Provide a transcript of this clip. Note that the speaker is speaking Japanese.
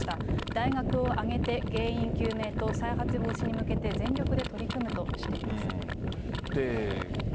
大学を挙げて原因究明と再発防止に向けて全力で取り組むとしています。